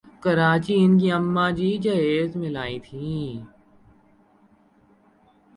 کراچی ان کی اماں جی جہیز میں لائیں تھیں ۔